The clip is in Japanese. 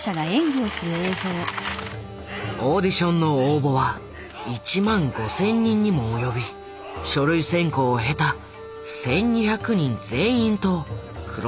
オーディションの応募は１万５，０００人にも及び書類選考を経た１，２００人全員と黒澤は面接した。